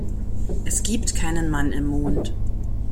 Es gibt keinen Mann im Mond.